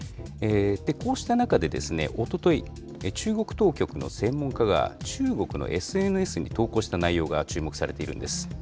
こうした中でおととい、中国当局の専門家が、中国のＳＮＳに投稿した内容が注目されているんです。